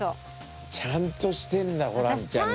ちゃんとしてんだホランちゃんの料理。